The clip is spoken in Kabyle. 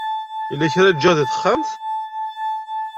Yella kra i ǧǧiɣ deg texxamt.